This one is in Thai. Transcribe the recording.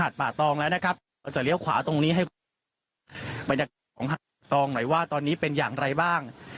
ป่าตองแล้วนะครับเราจะเลี้ยวขวาตรงนี้ให้บรรยากาศของตองหน่อยว่าตอนนี้เป็นอย่างไรบ้าง